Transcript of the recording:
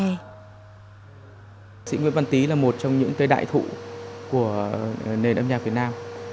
nhạc sĩ nguyễn văn tý là một trong những cái đại thụ của nền âm nhạc việt nam